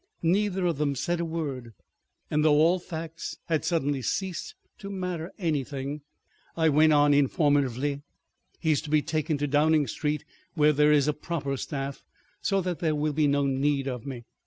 ..." Neither of them said a word, and though all facts had suddenly ceased to matter anything, I went on informatively, "He is to be taken to Downing Street where there is a proper staff, so that there will be no need of me.